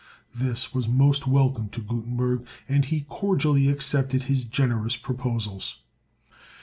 This was most welcome to Gutenberg, and he cordially accepted his generous proposals.